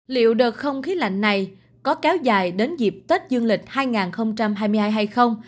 liệu đợt không khí lạnh này có kéo dài đến dịp tết dương lịch hai nghìn hai mươi hai hay không